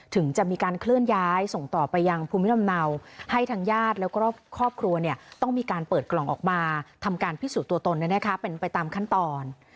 ถึงจะมีการเคลื่อนย้ายส่งต่อไปยังภูมิลำเนาให้ทางญาติแล้วก็ครอบครัวต้องมีการเปิดกล่องออกมาทำการพิสูจน์ตัวตนเป็นไปตามขั้นตอน